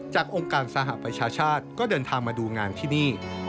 องค์การสหประชาชาติก็เดินทางมาดูงานที่นี่